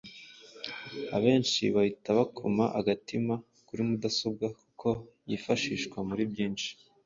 abenshi bahita bakoma agatima kuri mudasobwa kuko yifashishwa muri byinshi.